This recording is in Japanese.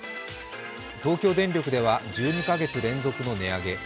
東京電力では１２カ月連続の値上げ。